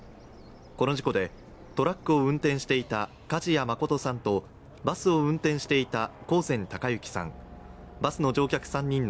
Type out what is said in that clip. この事故で、トラックを運転していた梶谷誠さんとバスを運転していた方